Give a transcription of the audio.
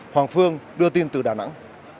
hoàng phương đưa tin từ đà nẵng